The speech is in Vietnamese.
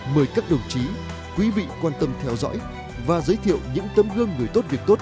mời các đồng chí quý vị quan tâm theo dõi và giới thiệu những tấm gương người tốt việc tốt